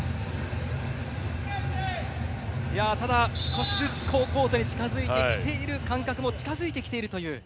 ただ、少しずつコートに近付いているという感覚も近付いてきているという。